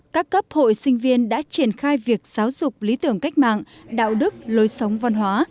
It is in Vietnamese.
các cấp hội sinh viên đã triển khai việc giáo dục lý tưởng cách mạng đạo đức lối sống văn hóa